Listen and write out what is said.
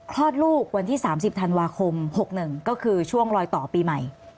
คลอดลูกวันที่๓๐ธันวาคม๖๑ก็คือช่วงรอยต่อปีใหม่